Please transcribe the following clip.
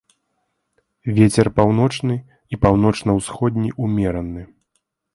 Вецер паўночны і паўночна-ўсходні ўмераны.